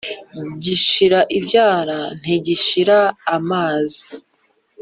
Gishira ibyara ntigishira amazi.